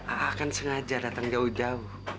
ah akan sengaja datang jauh jauh